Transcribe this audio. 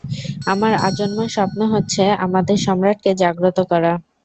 আমার আজন্ম স্বপ্ন হচ্ছে আমাদের সম্রাটকে জাগ্রত করা!